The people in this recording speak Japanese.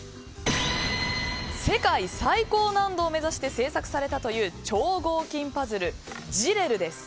世界最高難度を目指して製作されたという超合金パズル、ＺＩＲＥＲＵです。